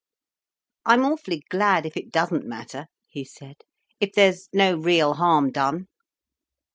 "I'm awfully glad if it doesn't matter," he said; "if there's no real harm done."